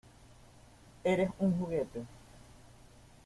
¡ Eres un juguete!